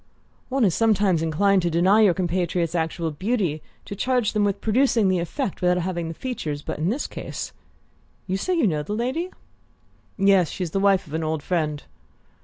"One is sometimes inclined to deny your compatriots actual beauty to charge them with producing the effect without having the features; but in this case you say you know the lady?" "Yes: she's the wife of an old friend."